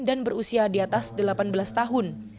dan berusia di atas delapan belas tahun